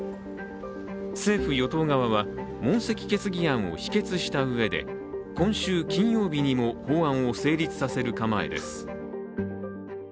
政府・与党側は、問責決議案を否決したうえで今週金曜日にも法案を成立させる構えです。